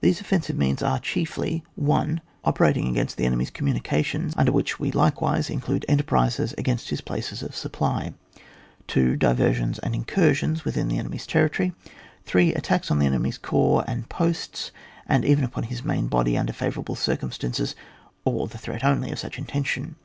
These offensive moans are chiefly :^ 1. Operating against the enemy's com CHAP. XXX.] DEFENCE OF A THEATRE OF WAR 203 munications, under Wliicli we likewise include enterprises against his places of supply. 2. Diversions and incursions within the enemy's territory. 3. Attacks on the enemy's corps and posts, and even upon his main body* under favourable circumstances, or the threat only of such intention.